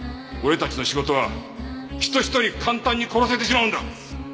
俺たちの仕事は人一人簡単に殺せてしまうんだ！